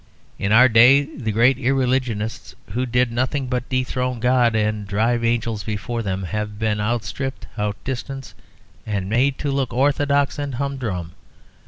In our day the great irreligionists who did nothing but dethrone God and drive angels before them have been outstripped, distanced, and made to look orthodox and humdrum.